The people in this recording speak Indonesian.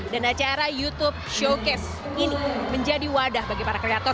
dan acara youtube showcase ini menjadi wadah bagi para kreator